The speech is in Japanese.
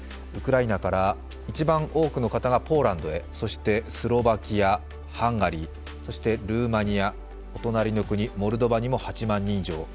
ウクライナから一番多くの方がポーランドへそしてスロバキア、ハンガリー、そしてルーマニア、お隣の国、モルドバにも８万人以上。